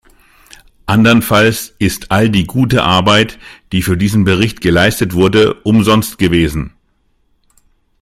Andernfalls ist all die gute Arbeit, die für diesen Bericht geleistet wurde, umsonst gewesen.